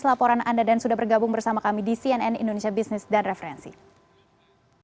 baik kami akan terus memantau perkembangan agenda agenda kunjungan kita